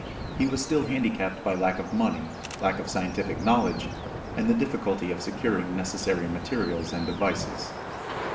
He was still handicapped by lack of money, lack of scientific knowledge, and the difficulty of securing necessary materials and devices.